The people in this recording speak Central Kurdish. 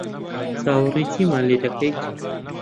چاوەڕێی چیمان لێ دەکەیت؟